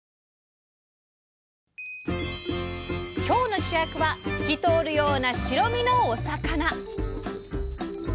今日の主役は透き通るような白身のお魚！